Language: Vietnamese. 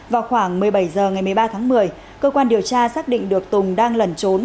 vào khoảng một mươi bảy h ngày một mươi ba tháng một mươi cơ quan điều tra xác định được tùng đang lẩn trốn